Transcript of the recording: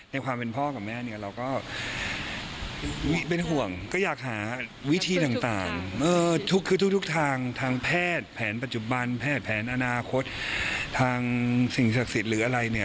ความเป็นพ่อกับแม่เนี่ยเราก็เป็นห่วงก็อยากหาวิธีต่างคือทุกทางทางแพทย์แผนปัจจุบันแพทย์แผนอนาคตทางสิ่งศักดิ์สิทธิ์หรืออะไรเนี่ย